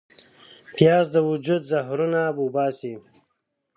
پیاز د وجود زهرونه وباسي